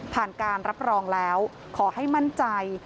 การรับรองแล้วขอให้มั่นใจ